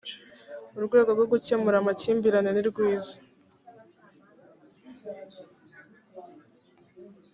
urwego rwo gukemura amakimbirane nirwiza